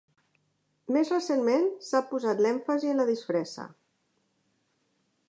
Més recentment s'ha posat l'èmfasi en la disfressa.